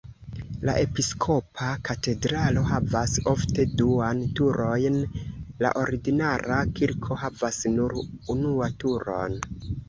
La episkopa katedralo havas ofte duan turojn, la ordinara kirko havas nur unua turon.